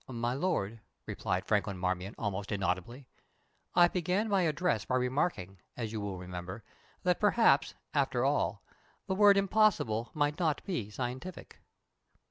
"My Lord," replied Franklin Marmion, almost inaudibly, "I began my address by remarking, as you will remember, that perhaps, after all, the word 'impossible' might not be scientific."